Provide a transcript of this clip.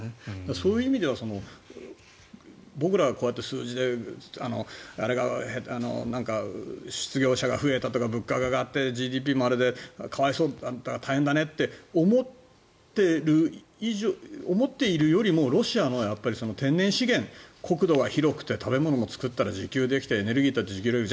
そういう意味では僕らがこうやって数字が、あれがなんか失業者が増えたとか物価が上がってＧＤＰもあれで可哀想、大変だねって思ってるよりもロシアの天然資源国土は広くて食べ物も作ったら自給できてエネルギーだって自給できる。